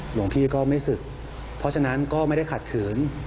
หลวงพี่ก็ไม่ศึกเพราะฉะนั้นก็ไม่ได้ขัดขืน